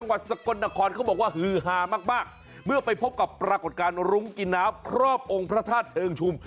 สกลนครเขาบอกว่าฮือฮามากมากเมื่อไปพบกับปรากฏการณ์รุ้งกินน้ำครอบองค์พระธาตุเชิงชุม